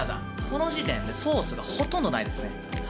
この時点でソースがほとんどないですね。